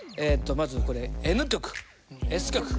まずこれＮ極Ｓ極。